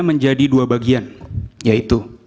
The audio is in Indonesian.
menjadi dua bagian yaitu